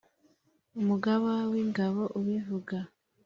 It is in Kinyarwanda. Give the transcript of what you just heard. Umugaba w’ingabo ubivuga :